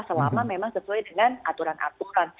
selama memang sesuai dengan aturan aturan